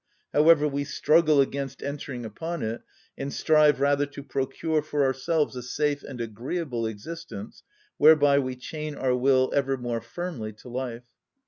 However, we struggle against entering upon it, and strive rather to procure for ourselves a safe and agreeable existence, whereby we chain our will ever more firmly to life.